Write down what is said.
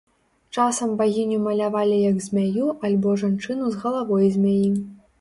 Часам багіню малявалі як змяю альбо жанчыну з галавой змяі.